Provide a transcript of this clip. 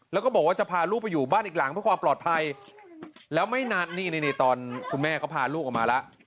แล้วก็บอกว่าจะพาลูกไปอยู่บ้านอีกหลังเพื่อความปลอดภัยแล้วไม่นานนี่ตอนคุณแม่เขาพาลูกออกมาแล้ว